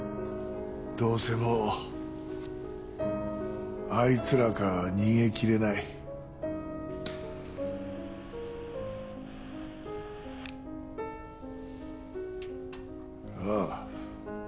どうせもうあいつらからは逃げ切れないああ